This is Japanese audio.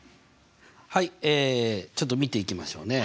はいちょっと見ていきましょうね。